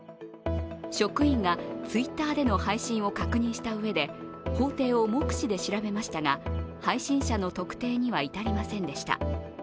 職員がＴｗｉｔｔｅｒでの配信を確認したうえで法廷を目視で調べましたが、配信者の特定には至りませんでした。